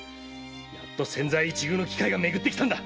やっと千載一遇の機会がめぐってきたんだ！